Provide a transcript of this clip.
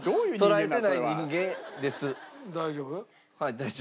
大丈夫？